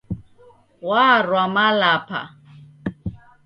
Warwa Malapa.